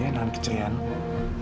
dengan kecerian lu